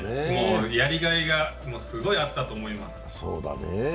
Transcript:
やりがいがすごいあったと思います。